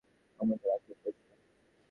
অমন করে আক্ষেপ করছ কেন।